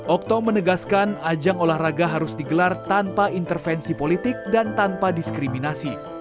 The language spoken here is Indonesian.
okto menegaskan ajang olahraga harus digelar tanpa intervensi politik dan tanpa diskriminasi